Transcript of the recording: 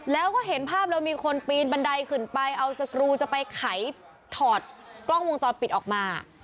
แล้วก็เห็นภาพแล้วมีคนปีนบันไดขึ้นไปเอาสกรูจะไปไขถอดกล้องวงจรปิดออกมา